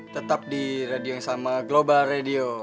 tetap di radio yang sama global radio